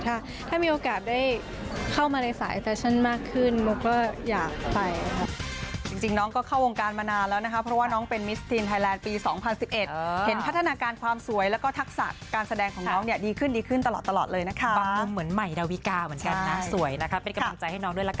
ถ้ามีโอกาสได้เข้ามาในสายแฟชั่นมากขึ้นนุ๊กก็อยากไปค่ะ